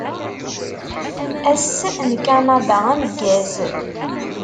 Ass n Kanada ameggaz!